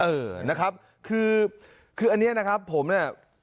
เออนะครับคือคืออันนี้นะครับผมเนี่ย